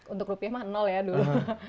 untuk rupiah mah ya dulu